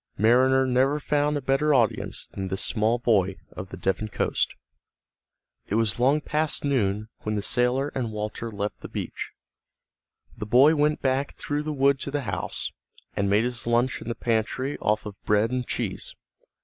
Mariner never found a better audience than this small boy of the Devon coast. It was long past noon when the sailor and Walter left the beach. The boy went back through the wood to the house, and made his lunch in the pantry off of bread and cheese.